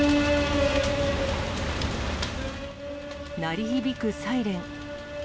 鳴り響くサイレン。